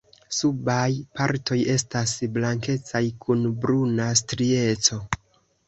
Subaj partoj estas blankecaj kun bruna strieco.